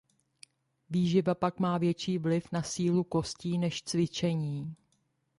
Výživa pak má větší vliv na sílu kostí než cvičení.